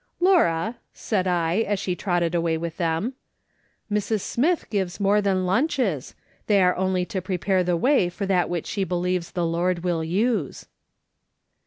" Laura," said I, as slie trotted away with them, " Mrs, Smith gives more than lunches. They are only to prepare the way for that which she believes the Lord will use."